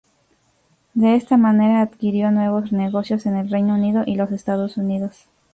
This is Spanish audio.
De esta manera, adquirió nuevos negocios en el Reino Unido y los Estados Unidos.